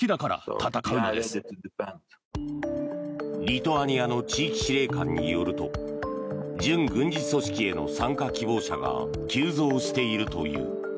リトアニアの地域司令官によると準軍事組織への参加希望者が急増しているという。